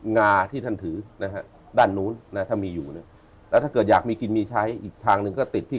นะคะดนู้นะถ้ามีอยู่นะแต่ถ้าเกิดอยากมีกินมีใช้อีกทางหนึ่งก็ติดที่